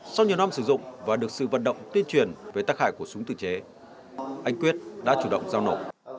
sau nhiều năm sử dụng và được sự vận động tuyên truyền về tác hại của súng tự chế anh quyết đã chủ động giao nổ